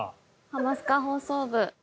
『ハマスカ放送部』。